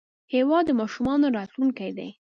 هېواد د ماشومانو راتلونکی دی.